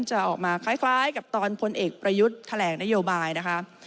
จะออกมาคล้ายกับตอนพลเอกประยุทธ์แถลงนโยบายนะคะ